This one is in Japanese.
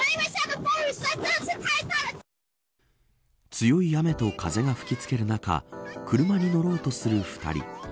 強い雨と風が吹き付ける中車に乗ろうとする２人。